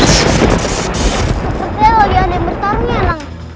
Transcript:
seperti ada orang yang bertarung ya lang